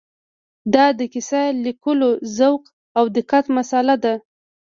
دا د کیسه لیکوالو ذوق او دقت مساله ده.